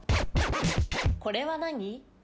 これは何？